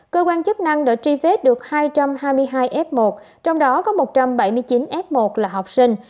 cơ quan chức năng đã truy vết được hai trăm hai mươi hai f một trong đó có một trăm bảy mươi chín f một là học sinh